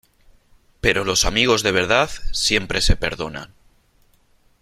pero los amigos de verdad siempre se perdonan